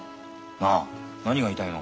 なあ何が言いたいの？